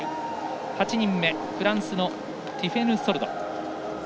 ８人目、フランスのティフェヌ・ソルド。